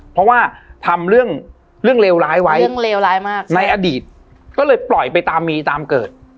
เพราะว่าทำเรื่องเรื่องเลวร้ายไว้เรื่องเลวร้ายมากในอดีตก็เลยปล่อยไปตามมีตามเกิด